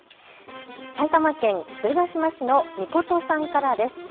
埼玉県鶴ヶ島市の美琴さんからです。